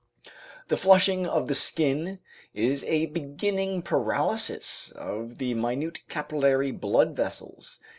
The flushing of the skin is a beginning paralysis of the minute capillary blood vessels.